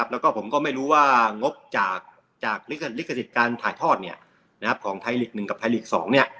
แล้วก็ผมก็ไม่รู้ว่างบทจากฤกษ์การถ่ายทอดของไทรกษ์๑กับไทรกษ์๒